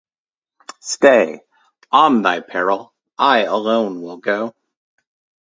Stay, on thy peril: I alone will go.